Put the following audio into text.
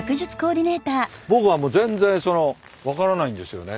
僕は全然その分からないんですよね。